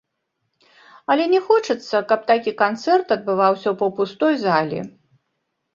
Але не хочацца, каб такі канцэрт адбываўся ў паўпустой залі.